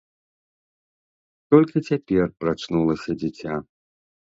Толькі цяпер прачнулася дзіця.